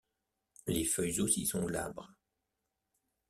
Les feuilles aussi sont glabres.